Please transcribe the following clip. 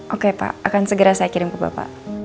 oke pak akan segera saya kirim ke bapak